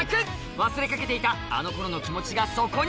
忘れかけていたあの頃の気持ちがそこに！